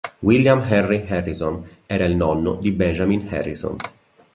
William Henry Harrison era il nonno di Benjamin Harrison.